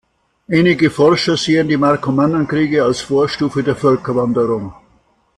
Einige Forscher sehen die Markomannenkriege als Vorstufe der Völkerwanderung.